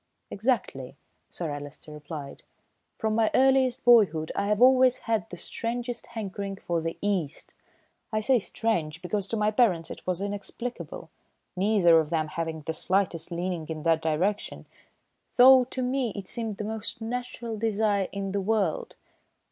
"Exactly," Sir Alister replied. "From my earliest boyhood I have always had the strangest hankering for the East. I say strange, because to my parents it was inexplicable, neither of them having the slightest leaning in that direction, though to me it seemed the most natural desire in the world.